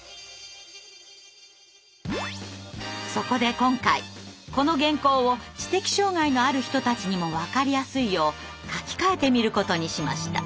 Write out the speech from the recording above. そこで今回この原稿を知的障害のある人たちにもわかりやすいよう書き換えてみることにしました。